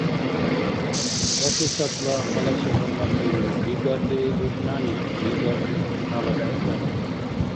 Гафисатла халаси хӀурмат биру дигалли дурхӀнани, дигалли дурхӀнала бегӀтани.